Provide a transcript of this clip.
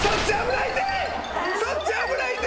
そっち危ないって！